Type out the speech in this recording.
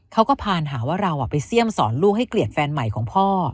พานหาว่าเราไปเสี่ยมสอนลูกให้เกลียดแฟนใหม่ของพ่อ